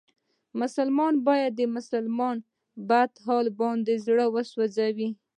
مسلمان باید د بل مسلمان په بد حال باندې زړه و سوځوي.